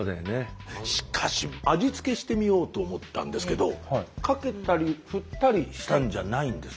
しかし味付けしてみようと思ったんですけどかけたり振ったりしたんじゃないんです。